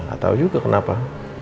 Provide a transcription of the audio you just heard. gak tau juga kenapa